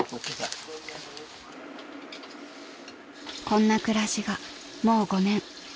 ［こんな暮らしがもう５年］